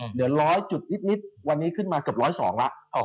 เหลือร้อยจุดนิดแล้วค่างีรปรับขึ้นมากระจก๑๐๒ละ